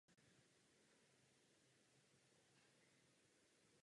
Výroba pak je zpravidla relativně levná.